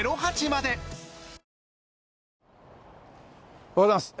おはようございます。